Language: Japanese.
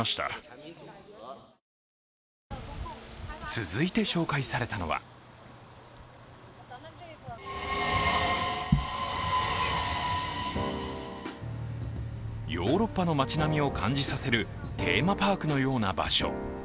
続いて紹介されたのはヨーロッパの街並みを感じさせるテーマパークのような場所。